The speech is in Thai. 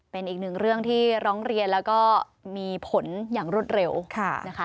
เป็นอีกหนึ่งเรื่องที่ร้องเรียนแล้วก็มีผลอย่างรวดเร็วนะคะ